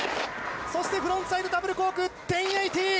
そしてフロントサイドダブルコーク１０８０！